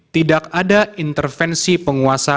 tidak ada intervensi penguasa